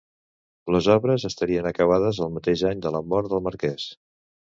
Les obres estarien acabades el mateix any de la mort del marquès.